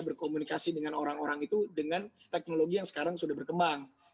berkomunikasi dengan orang orang itu dengan teknologi yang sekarang sudah berkembang